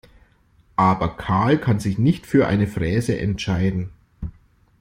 Aber Karl kann sich nicht für eine Fräse entscheiden.